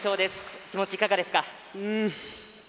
お気持ちいかがですか？